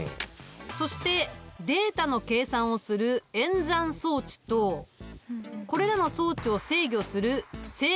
そしてデータの計算をする演算装置とこれらの装置を制御する制御装置